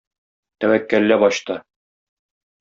Тәвәккәлләп ачты.